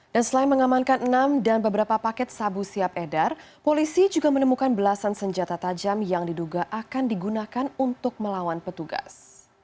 dan selain mengamankan enam dan beberapa paket sabu siap edar polisi juga menemukan belasan senjata tajam yang diduga akan digunakan untuk melawan petugas